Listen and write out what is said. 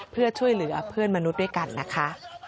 เพื่อช่วยเหลือเพื่อนมนุษย์ด้วยกันนะคะ